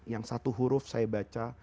yang satu huruf saya baca